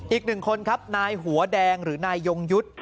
อีกหนึ่งคนครับนายหัวแดงหรือนายยงยุทธ์